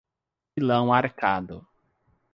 Pilão Arcado